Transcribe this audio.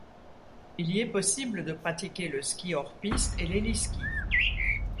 Il y est possible de pratiquer le ski hors-pistes et l'héliski.